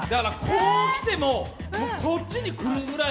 こう来ても、こっちに来るぐらい。